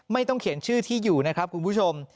ไม่ต้องเขียนชื่อที่อยู่นะครับคุณผู้ชม